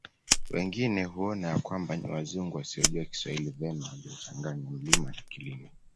Wengine huona ya kwamba ni Wazungu wasiojua Kiswahili vema waliochanganya mlima na Kilima